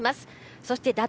そして打倒